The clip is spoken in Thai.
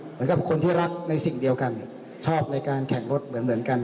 เหมือนกับคนที่รักในสิ่งเดียวกันชอบในการแข่งรถเหมือนกัน